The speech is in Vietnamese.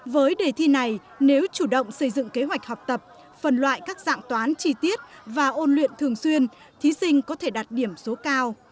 với đề thi này nếu chủ động xây dựng kế hoạch học tập phần loại các dạng toán chi tiết và ôn luyện thường xuyên thí sinh có thể đạt điểm số cao